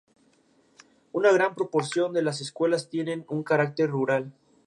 Una gran proporción de las escuelas tienen un carácter rural.